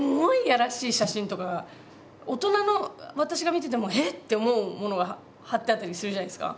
写真とかが大人の私が見てても「えっ⁉」って思うものが貼ってあったりするじゃないですか。